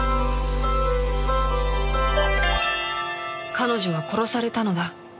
彼女は殺されたのだ